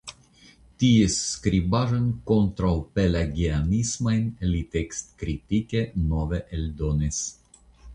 Ties skribaĵojn kontraŭpelagianismajn li tekstkritike nove eldonis.